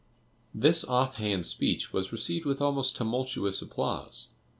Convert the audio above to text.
'" This off hand speech was received with almost tumultuous applause.